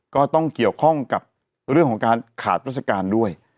ก็ต้องเกี่ยวข้องกับเรื่องของการขาดราชการด้วย